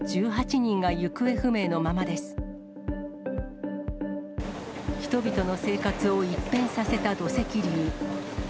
人々の生活を一変させた土石流。